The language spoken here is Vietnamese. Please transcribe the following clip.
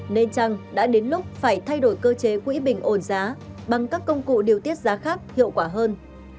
nên chăng đã đến lúc phải thay đổi cơ chế quỹ bình ổn giá bằng các công cụ điều tiết giá khác hiệu quả hơn